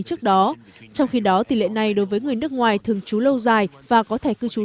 trước đó trong khi đó tỷ lệ này đối với người nước ngoài thường trú lâu dài và có thể cư trú